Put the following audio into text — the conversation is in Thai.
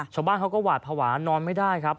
ชาวบ้านเขาก็หวาดภาวะนอนไม่ได้ครับ